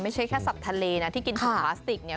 ไม่ใช่แค่สัตว์ทะเลนะที่กินถุงพลาสติกเนี่ย